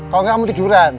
kalau gak mau tiduran